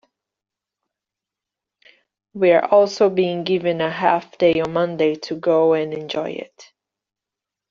We're also being given a half day on Monday to go and enjoy it.